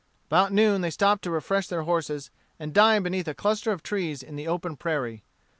About noon they stopped to refresh their horses and dine beneath a cluster of trees in the open prairie.